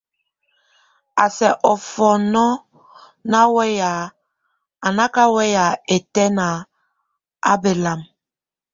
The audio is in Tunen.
A sɛk ofɔnɔɔ ná weya, a náka weya ɛtɛ́n á belam.